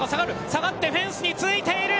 下がって、フェンスについている！